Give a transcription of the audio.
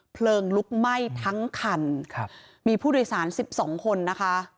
เพลิงลุกไหม้ทั้งคันครับมีผู้โดยสารสิบสองคนนะคะ